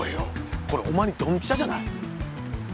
これお前にドンピシャじゃない？